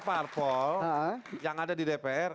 parpol yang ada di dpr